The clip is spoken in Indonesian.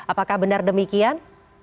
apakah benar demikian